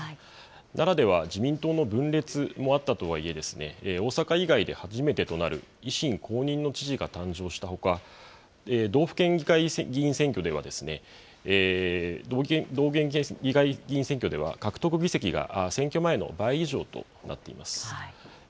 奈良では自民党の分裂もあったとはいえ、大阪以外で初めてとなる維新公認の知事が誕生したほか、道府県議会議員選挙では、獲得議席が選挙前の倍以上となっています。